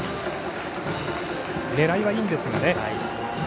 狙いはいいんですがね。